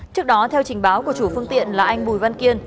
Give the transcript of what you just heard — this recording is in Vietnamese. trước đó theo trình báo của chủ phương tiện là anh bùi văn kiên